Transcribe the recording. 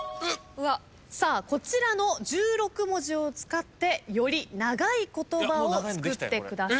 こちらの１６文字を使ってより長い言葉を作ってください。